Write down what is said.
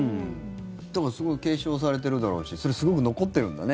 だからすごい継承されてるだろうしそれ、すごく残ってるんだね。